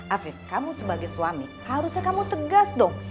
afif kamu sebagai suami harusnya kamu tegas dong